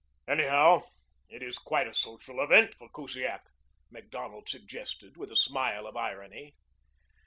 "Anyhow, it is quite a social event for Kusiak," Macdonald suggested with a smile of irony.